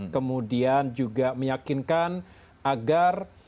kemudian juga meyakinkan agar